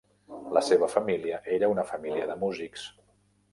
La seva família era una família de músics.